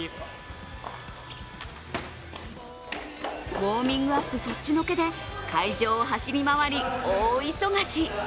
ウォーミングアップそっちのけで会場を走り回り、大忙し。